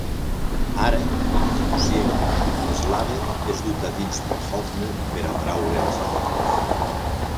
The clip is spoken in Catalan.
Ara inconscient, Sladen és dut a dins per Hofner per atraure als altres.